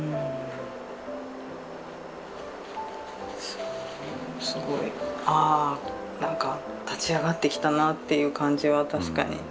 すごいあなんか立ち上がってきたなっていう感じは確かにしますよね。